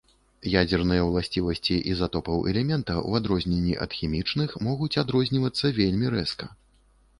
Ядзерныя ўласцівасці ізатопаў элемента, у адрозненні ад хімічных, могуць адрознівацца вельмі рэзка.